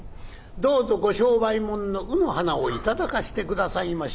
どうぞご商売物の卯の花を頂かせて下さいまし』。